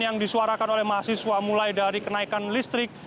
yang disuarakan oleh mahasiswa mulai dari kenaikan listrik